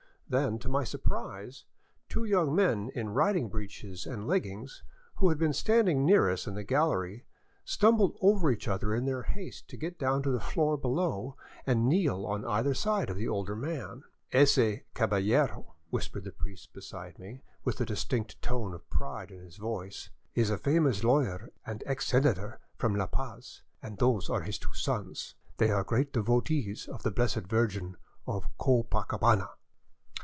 Then, to my surprise, two young men in riding breeches and leggings, who had been standing near us in the gallery, stumbled over each other in their haste to get down to the floor below and kneel on either side of the older man. " Ese caballero," whispered the priest beside me, with a distinct tone of pride in his voice, " is a famous lawyer and ex senator from La Paz, and those are his two sons. They are great devotees of the Blessed Virgin of Copacabana.''